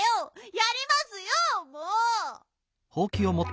やりますよもう！